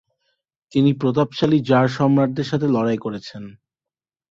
তিনি প্রতাপশালী জার সম্রাটদের সাথে লড়াই করেছেন।